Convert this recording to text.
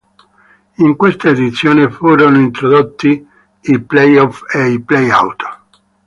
In questa edizione furono introdotti i play-off e i play-out.